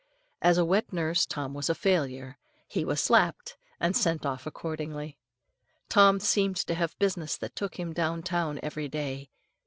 As a wet nurse, Tom was a failure. He was slapped, and sent off accordingly. Tom seemed to have business that took him down town every day.